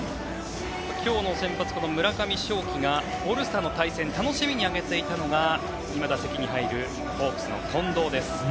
今日の先発、村上頌樹がオールスターの対戦楽しみに挙げていたのが今、打席に入るホークスの近藤です。